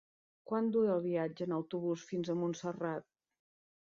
Quant dura el viatge en autobús fins a Montserrat?